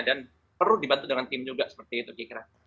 dan perlu dibantu dengan tim juga seperti itu kira kira